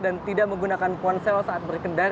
dan tidak menggunakan ponsel saat berikendara